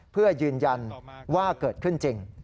เพื่อยืนยันว่าเกิดขึ้นจริง